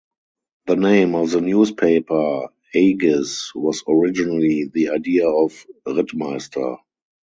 The name of the newspaper "Agis" was originally the idea of Rittmeister.